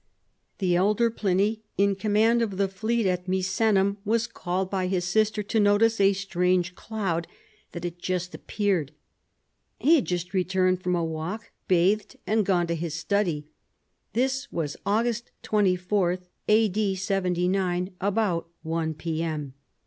The elder Pliny, in command of the fleet at Misenum, was called by his sister to notice a strange cloud that had just appeared. He had just returned from a walk, bathed, and gone to his study. This was August 24, A. D. 79, about 1 P.M.